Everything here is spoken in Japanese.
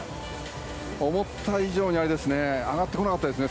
思った以上に上がってこなかったですね。